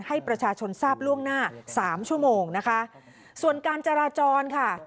ให้ประชาชนทราบล่วงหน้าสามชั่วโมงนะคะส่วนการจราจรค่ะ